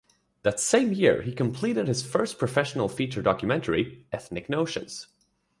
That same year he completed his first professional feature documentary "Ethnic Notions".